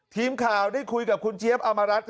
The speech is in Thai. ทีมข่าวได้คุยกับคุณเจี๊ยบอมรัฐ